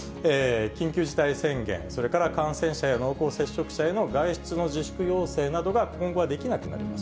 緊急事態宣言、それから感染者や濃厚接触者への外出の自粛要請などが、今後はできなくなります。